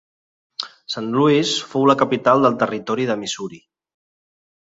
St. Louis fou la capital del territori de Missouri.